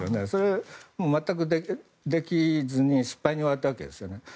それ、全くできずに失敗に終わったわけですよね。